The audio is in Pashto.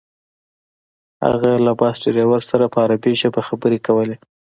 هغه له بس ډریور سره په عربي ژبه خبرې کولې.